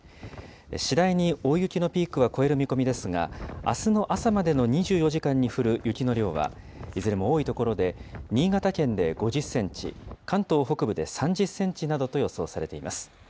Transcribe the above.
次第に大雪のピークは越える見込みですが、あすの朝までの２４時間に降る雪の量は、いずれも多い所で、新潟県で５０センチ、関東北部で３０センチなどと予想されています。